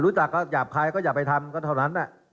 รู้จักแล้วหยาบคลายก็อย่าไปทำก็เท่านั้นแหละ